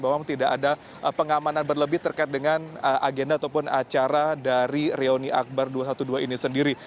bahwa memang tidak ada pengamanan berlebih terkait dengan agenda ataupun acara dari reuni akbar dua ratus dua belas ini sendiri